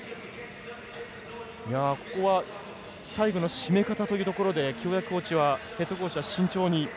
ここは、最後の締め方というところで京谷ヘッドコーチは慎重に。